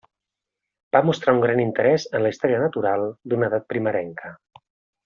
Va mostrar un gran interès en la història natural d'una edat primerenca.